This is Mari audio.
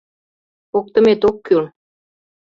Поктымет ок кӱл.